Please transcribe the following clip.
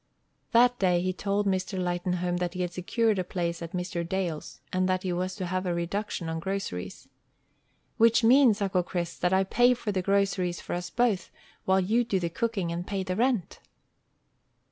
That day he told Mr. Lightenhome that he had secured a place at Mr. Dale's, and that he was to have a reduction on groceries. "Which means, Uncle Chris, that I pay for the groceries for us both, while you do the cooking and pay the rent."